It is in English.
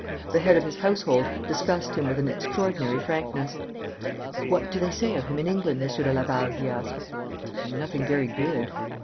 The head of his household discussed him with an extraordinary frankness. 'What do they say of him in England, Monsieur de Laval?' he asked. 'Nothing very good.'